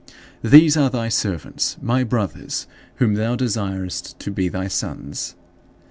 These are thy servants, my brothers, whom thou desirest to be thy sons.